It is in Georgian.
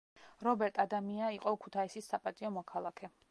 რობერტ ადამია იყო ქუთაისის საპატიო მოქალაქე.